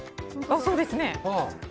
そうですね。